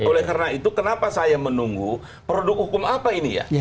oleh karena itu kenapa saya menunggu produk hukum apa ini ya